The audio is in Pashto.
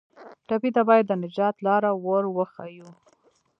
ټپي ته باید د نجات لاره ور وښیو.